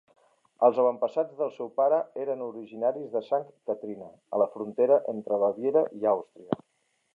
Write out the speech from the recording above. Els avantpassats del seu pare eren originaris de Sankt Kathrina, a la frontera entre Baviera i Àustria.